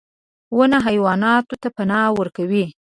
• ونه حیواناتو ته پناه ورکوي.